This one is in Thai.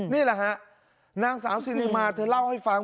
นี่แหละฮะนางสาวสิริมาเธอเล่าให้ฟัง